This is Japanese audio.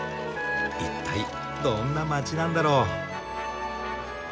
一体どんな街なんだろう？